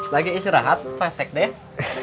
lagi isi rahat pasek des